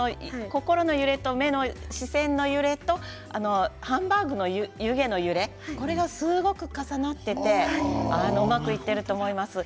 目をそらせ目を合わせる心と目の揺れとハンバーグの湯気それがすごく重なっていてうまくいっていると思います。